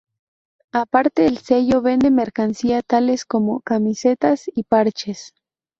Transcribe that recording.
Aparte, el sello vende mercancía tales como camisetas y parches.